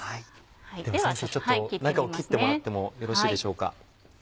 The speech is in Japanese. では先生ちょっと中を切ってもらってもよろしいでしょうか。